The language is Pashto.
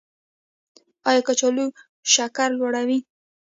ایا کچالو شکر لوړوي؟